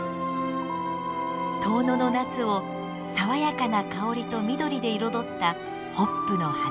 遠野の夏を爽やかな香りと緑で彩ったホップの畑。